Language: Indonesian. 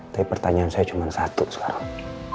tapi pertanyaan saya cuma satu sekarang